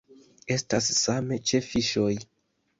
Estas same ĉe fiŝoj.